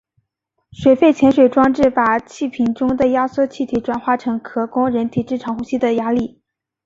水肺潜水装置把气瓶中的压缩气体转化成可供人体正常呼吸的压力。